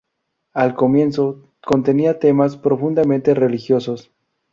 Al comienzo contenía temas profundamente religiosos.